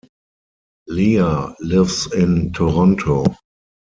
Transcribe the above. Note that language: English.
Lea lives in Toronto.